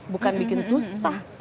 bukan bikin susah